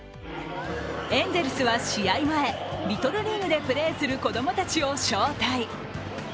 エンゼルスは試合前、リトルリーグでプレーする子供たちを招待。